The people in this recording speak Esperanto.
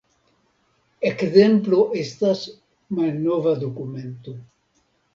Ekzemplo estas malnova dokumento.